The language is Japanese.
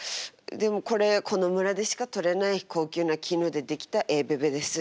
でもこれこの村でしかとれない高級な絹で出来たええベベです。